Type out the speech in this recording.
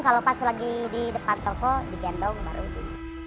kalau pas lagi di depan toko digendong baru itu